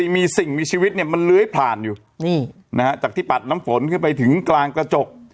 มีสิ่งมีชีวิตเนี่ยมันเลื้อยผ่านอยู่นี่นะฮะจากที่ปัดน้ำฝนขึ้นไปถึงกลางกระจก